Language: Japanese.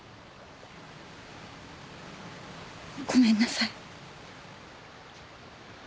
ごめんなさい。